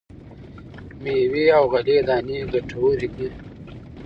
مېوې او غلې دانې ګټورې دي.